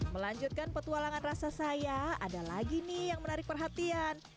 melanjutkan petualangan rasa saya ada lagi nih yang menarik perhatian